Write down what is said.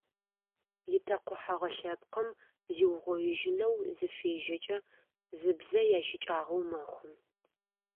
Итэкъухьэгъэ лъэпкъым зиугъоижьынэу зыфежьэкӏэ зы бзэ ящыкӏагъэу мэхъу.